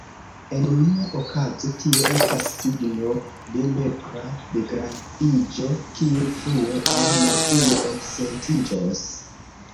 En nia okazo tio estas signo de nepra degradiĝo, kiu frue aŭ malfrue eksentiĝos.